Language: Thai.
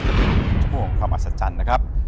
จะเป็น๑ชั่วโมงของความอัศจรรย์นะครับ